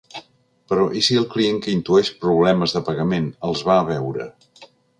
Però, i si el client que intueix problemes de pagament els va a veure?